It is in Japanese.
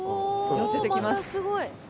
よせてきます。